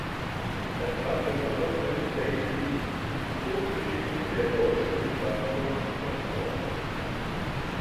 Er trat besonders mit Essays wie „Die kurze Geschichte der deutschen Literatur“ hervor.